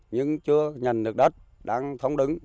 nhưng chưa nhận được đất đang thống đứng